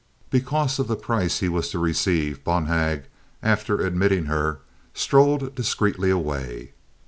Because of the price he was to receive, Bonhag, after admitting her, strolled discreetly away.